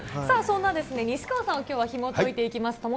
そんな西川さんをきょうはひもといていきます。